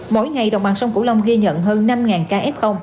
mỗi ngày đồng bằng sông cửu long ghi nhận hơn năm ca f